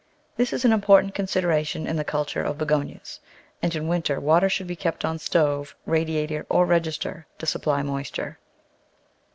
This is an important consideration in the culture of Begonias, and in winter water should be kept on stove, radiator or register to supply moisture.